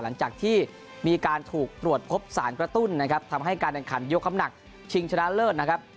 หลังจากที่มีการถูกตรวจพบสารกระตุ้นนะครับทำให้การแข่งขันยกคำหนักชิงชนะเลิศนะครับ